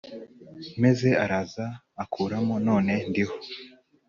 Maze araza ankuramo, None ndiho.